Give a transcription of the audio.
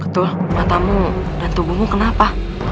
betul matamu dan tubuhmu kenapa